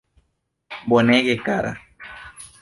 Bonege kara.